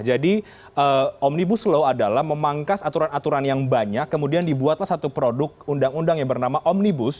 jadi omnibus law adalah memangkas aturan aturan yang banyak kemudian dibuatlah satu produk undang undang yang bernama omnibus